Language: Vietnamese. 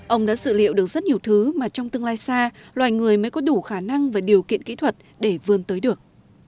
ông đã dự liệu được rất nhiều thứ mà trong tương lai xa loài người mới có đủ khả năng và điều kiện kỹ thuật để vươn tới được